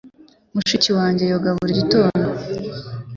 Mushiki wanjye yoga buri gitondo.